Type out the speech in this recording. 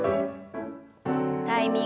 タイミングよく。